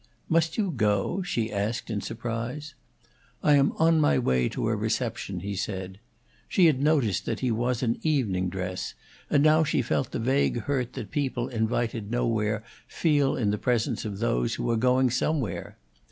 "Must you go?" she asked, in surprise. "I am on my way to a reception," he said. She had noticed that he was in evening dress; and now she felt the vague hurt that people invited nowhere feel in the presence of those who are going somewhere.